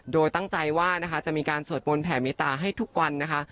โดยตั้งใจว่านะคะจะมีการสวดบนแผ่เมตตาให้ทุกวันนะคะ